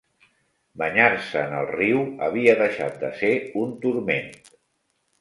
Banyar-se en el riu havia deixat de ser un turment